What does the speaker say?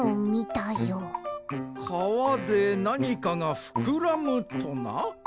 かわでなにかがふくらむとな？